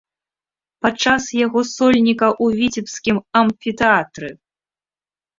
Падчас яго сольніка ў віцебскім амфітэатры!